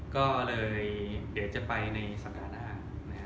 ก็เลยเดี๋ยวจะไปในสัปดาห์หน้า